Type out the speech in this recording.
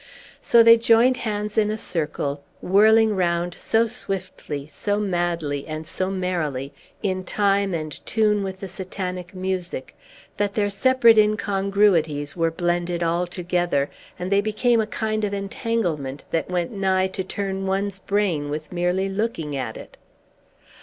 So they joined hands in a circle, whirling round so swiftly, so madly, and so merrily, in time and tune with the Satanic music, that their separate incongruities were blended all together, and they became a kind of entanglement that went nigh to turn one's brain with merely looking at it.